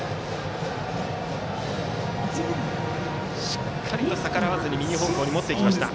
しっかりと逆らわずに右方向に持っていきました。